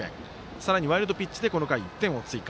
さらにワイルドピッチでこの回、１点を追加。